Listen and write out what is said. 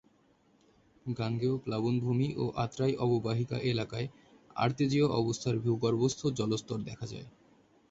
গাঙ্গেয় প্লাবনভূমি ও আত্রাই অববাহিকা এলাকায় আর্তেজীয় অবস্থার ভূগর্ভস্থ জলস্তর দেখা যায়।